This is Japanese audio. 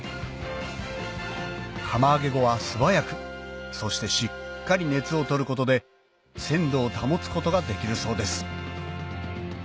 釜揚げ後は素早くそしてしっかり熱を取ることで鮮度を保つことができるそうです